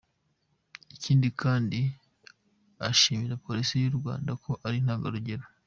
Ikindi kandi ashimira Polisi y’u Rwanda ko ari intangarugero.